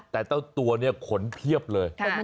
แต่เจ้าตัวนี้ขนเพียบเลย